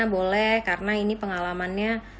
boleh karena ini pengalamannya